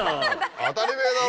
当たりめぇだろ。